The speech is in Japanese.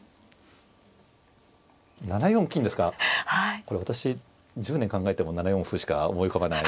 これ私１０年考えても７四歩しか思い浮かばない。